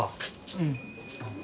うん。